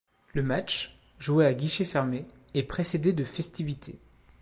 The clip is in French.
Le match, joué à guichets fermés, est précédé de festivités.